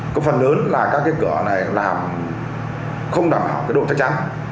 có phần lớn là các cái cửa này làm không đảm bảo cái độ chắc chắn